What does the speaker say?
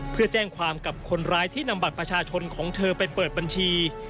เพื่อแจ้งความกับคนร้ายที่นำบัตรประชาชนของเธอไปเปิดบัญชี